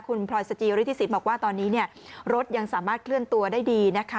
คุณพลอยสจิฤทธิสินบอกว่าตอนนี้รถยังสามารถเคลื่อนตัวได้ดีนะคะ